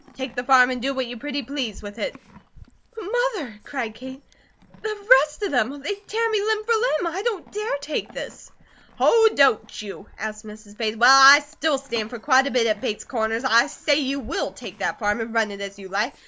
Take the farm, and do what you pretty please with it." "But, Mother!" cried Kate. "The rest of them! They'd tear me limb for limb. I don't DARE take this." "Oh, don't you?" asked Mrs. Bates. "Well, I still stand for quite a bit at Bates Corners, and I say you WILL take that farm, and run it as you like.